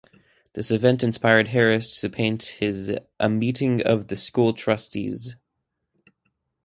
This event inspired Harris to paint his "A Meeting of the School Trustees".